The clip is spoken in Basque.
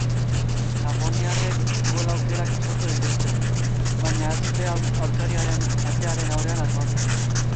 Japoniarrek gol aukerak sortu dituzte, baina ez dute aurkariaren atearen aurrean asmatu.